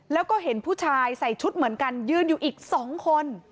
แล้วก็เห็นผู้ชายใส่ชุดเหมือนกันยืนอยู่อีก๒คน